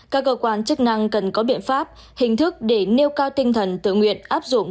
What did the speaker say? các cơ quan chức năng cần có biện pháp hình thức để nêu cao tinh thần tự nguyện áp dụng